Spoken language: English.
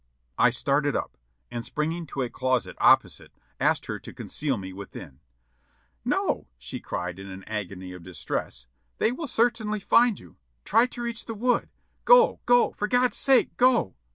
> I started up. and springing to a closet opposite asked her to conceal me within, "No," she cried in an agony of distress, "they will certainly find you ; try to reach the wood ! Go. go ! For God's sake go